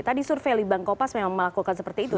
tadi survei litbang kopas memang melakukan seperti itu